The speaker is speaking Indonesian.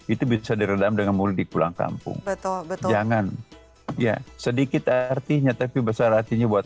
itu bisa diredam dengan mudah di pulang kampung betul jangan ya sedikit artinya tapi besar hatinya buat